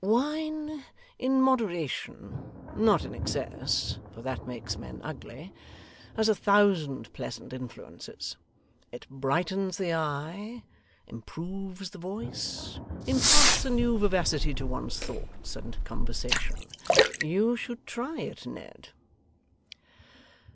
'Wine in moderation not in excess, for that makes men ugly has a thousand pleasant influences. It brightens the eye, improves the voice, imparts a new vivacity to one's thoughts and conversation: you should try it, Ned.